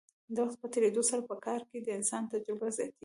د وخت په تیریدو سره په کار کې د انسان تجربه زیاتیږي.